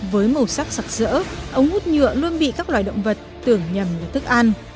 với màu sắc sạc sỡ ống hút nhựa luôn bị các loài động vật tưởng nhầm là thức ăn